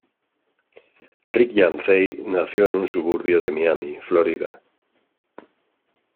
Rick Yancey nació en un suburbio de Miami, Florida.